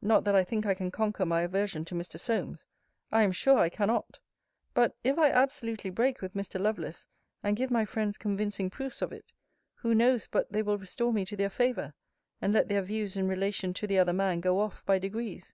Not that I think I can conquer my aversion to Mr. Solmes. I am sure I cannot. But, if I absolutely break with Mr. Lovelace, and give my friends convincing proofs of it, who knows but they will restore me to their favour, and let their views in relation to the other man go off by degrees?